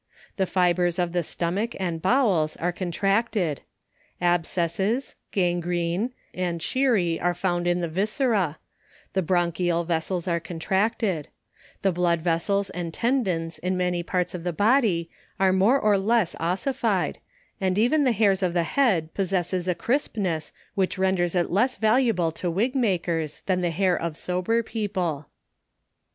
The fibres of the stomach and bowels are contracted ; abscesses ,• gangrene ; and schirri arc found in the viscera — The bronchial vessels are contract ed ; the blood vessels and tendons in many parts of (lie body are more or less ossified, and even the hair of the head possesses a erispness which renders it less valuable to wig makers than the hair of sober people.